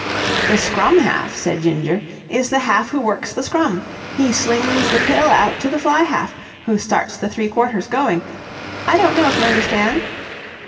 "The scrum half," said Ginger, "is the half who works the scrum. He slings the pill out to the fly half, who starts the three quarters going. I don't know if you understand?"